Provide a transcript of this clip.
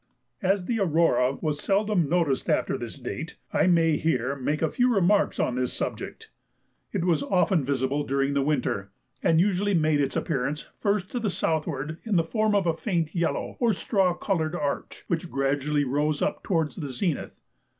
As the aurora was seldom noticed after this date, I may here make a few remarks on this subject. It was often visible during the winter, and usually made its appearance first to the southward in the form of a faint yellow or straw coloured arch, which gradually rose up towards the zenith.